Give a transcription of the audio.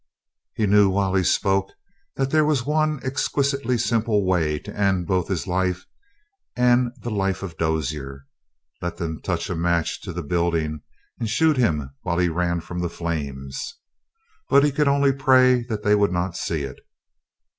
He knew while he spoke that there was one exquisitely simple way to end both his life and the life of Dozier let them touch a match to the building and shoot him while he ran from the flames. But he could only pray that they would not see it.